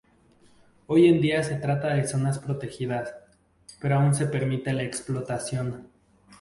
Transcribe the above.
Hoy en día se trata de zonas protegidas, pero aún se permite la explotación.